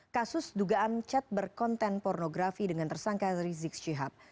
kasus dugaan chat berkonten pornografi dengan tersangka rizik syihab